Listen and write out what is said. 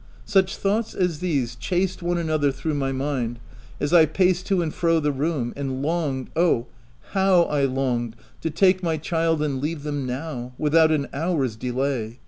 Such thoughts as these, chased one another through my mind, as I paced to and fro the room, and longed — oh, how I longed to take my child and leave them now, without an hour's delay